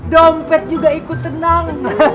dompet juga ikut tenang